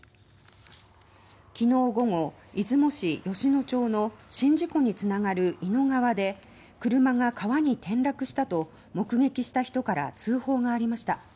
昨日午後出雲市美野町の宍道湖に繋がる伊野川で車が川に転落したと目撃した人から通報がありました。